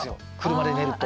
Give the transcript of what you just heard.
車で寝ると。